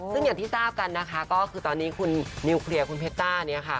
ซึ่งอย่างที่ทราบกันนะคะก็คือตอนนี้คุณนิวเคลียร์คุณเพชรต้าเนี่ยค่ะ